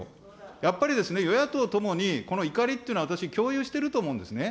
やっぱりですね、与野党ともに、この怒りというのは私、共有してると思うんですね。